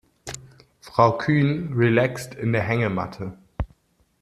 Frau Kühn relaxt in der Hängematte.